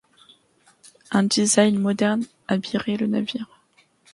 Un design moderne habillerait le navire.